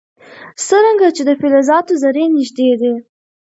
څرنګه چې د فلزاتو ذرې نژدې دي.